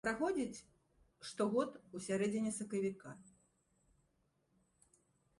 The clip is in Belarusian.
Праходзіць штогод у сярэдзіне сакавіка.